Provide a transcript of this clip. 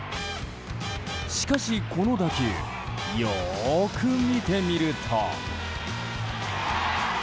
しかし、この打球よく見てみると。